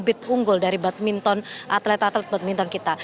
bibit unggul dari badminton atlet atlet badminton kita